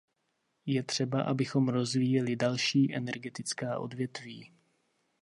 Je třeba, abychom rozvíjeli další energetická odvětví.